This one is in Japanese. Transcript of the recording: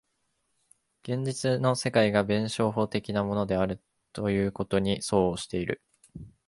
現実の世界が弁証法的なものであるということに相応している。